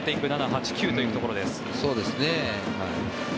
８、９というところです。